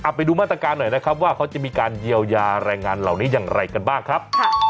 ไปดูมาตรการหน่อยนะครับว่าเขาจะมีการเยียวยาแรงงานเหล่านี้อย่างไรกันบ้างครับ